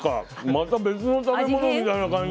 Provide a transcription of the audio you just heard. また別の食べ物みたいな感じ。